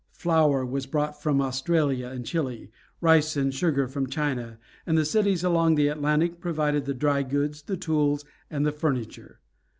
Flour was brought from Australia and Chili, rice and sugar from China, and the cities along the Atlantic provided the dry goods, the tools, and the furniture.